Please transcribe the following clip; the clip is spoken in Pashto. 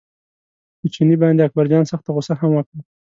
په چیني باندې اکبرجان سخته غوسه هم وکړه.